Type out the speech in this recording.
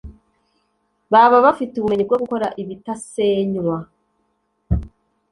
baba bafite ubumenyi bwo gukora ibitasenywa